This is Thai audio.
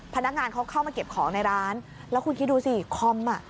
พนักงานเขาเข้ามาเก็บของในร้านแล้วคุณคิดดูสิคอมอ่ะ